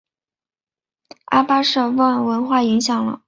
阿巴舍沃文化影响了。